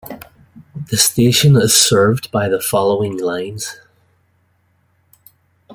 The station is served by the following lines.